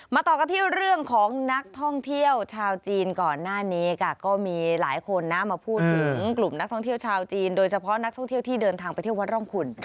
ต่อกันที่เรื่องของนักท่องเที่ยวชาวจีนก่อนหน้านี้ค่ะก็มีหลายคนนะมาพูดถึงกลุ่มนักท่องเที่ยวชาวจีนโดยเฉพาะนักท่องเที่ยวที่เดินทางไปเที่ยววัดร่องคุณ